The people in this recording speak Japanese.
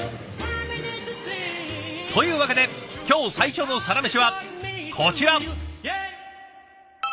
というわけで今日最初のサラメシはこちら！